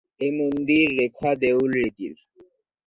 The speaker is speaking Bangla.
এ মন্দির রেখা দেউল রীতির।